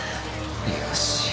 よし。